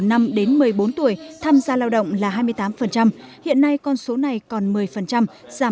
từ năm đến một mươi bốn tuổi tham gia lao động là hai mươi tám hiện nay con số này còn một mươi giảm một mươi tám